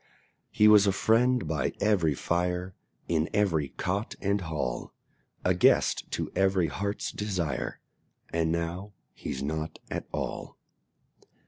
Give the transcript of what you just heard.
He was a friend by every fire, In every cot and hall A guest to every heart's desire, And now he's nought at all.